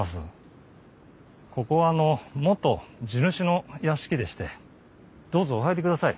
ここは元地主の屋敷でしてどうぞお入りください。